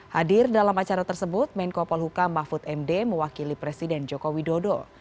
hadir dalam acara tersebut menko polhuka mahfud md mewakili presiden joko widodo